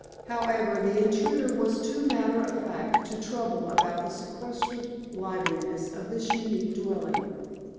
However, the intruder was too matter of fact to trouble about the sequestered liveliness of this unique dwelling.